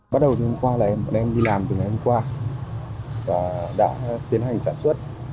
bắt đầu từ ngày hôm qua là em đi làm từ ngày hôm qua và đã tiến hành sản xuất